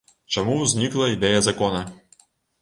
Чаму ўзнікла ідэя закона?